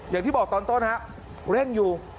อย่างที่บอกตอนต้นฮะเร่งอยู่